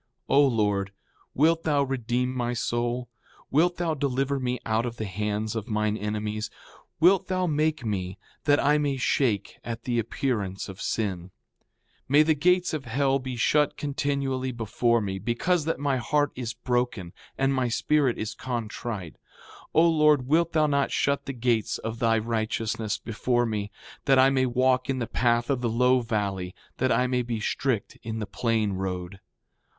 4:31 O Lord, wilt thou redeem my soul? Wilt thou deliver me out of the hands of mine enemies? Wilt thou make me that I may shake at the appearance of sin? 4:32 May the gates of hell be shut continually before me, because that my heart is broken and my spirit is contrite! O Lord, wilt thou not shut the gates of thy righteousness before me, that I may walk in the path of the low valley, that I may be strict in the plain road!